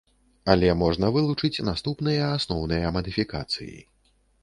Але можна вылучыць наступныя асноўныя мадыфікацыі.